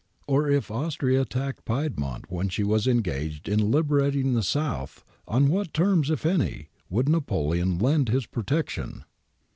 Or if Austria attacked Piedmont when she was engaged in liberating the South, on what terms, if any, would Napoleon lend his protection